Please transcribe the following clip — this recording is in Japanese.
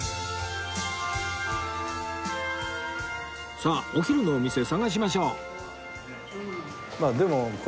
さあお昼のお店探しましょう